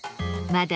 まだ！？